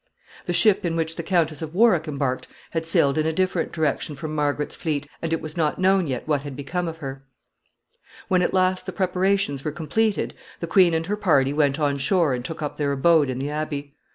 The ship in which the Countess of Warwick embarked had sailed in a different direction from Margaret's fleet, and it was not known yet what had become of her. [Sidenote: News of a battle.] When at last the preparations were completed, the queen and her party went on shore and took up their abode in the abbey.